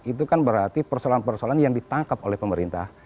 itu kan berarti persoalan persoalan yang ditangkap oleh pemerintah